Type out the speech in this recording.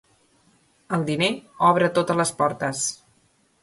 El diner obre totes les portes.